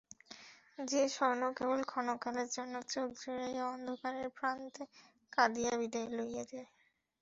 যে স্বর্ণ কেবল ক্ষণকালের জন্য চোখ জুড়াইয়া অন্ধকারের প্রান্তে কাঁদিয়া বিদায় লইয়া যায়।